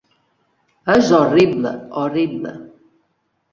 És horrible, horrible!